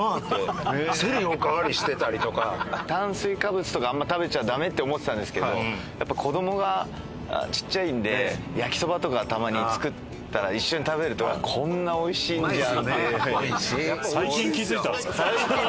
炭水化物とかあんま食べちゃダメって思ってたんですけど子どもがちっちゃいんで焼きそばとかたまに作ったら一緒に食べるとこんなおいしいんじゃんって。